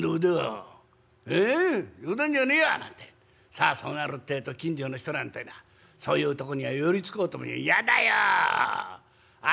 さあそうなるってえと近所の人なんてえのはそういうとこには寄りつこうとも「やだよあそこは親方無精者でよ